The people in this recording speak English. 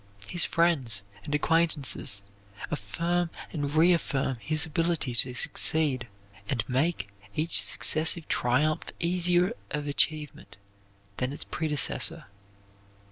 His friends and acquaintances affirm and reaffirm his ability to succeed, and make each successive triumph easier of achievement than its predecessor.